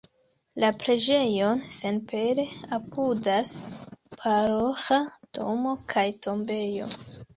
La preĝejon senpere apudas paroĥa domo kaj tombejo.